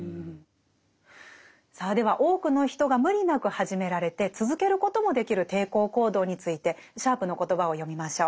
さあでは多くの人が無理なく始められて続けることもできる抵抗行動についてシャープの言葉を読みましょう。